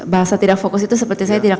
bahasa tidak fokus itu seperti saya tidak